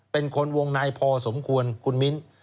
เป็นคนวงในพอสมควรคุณมิ้น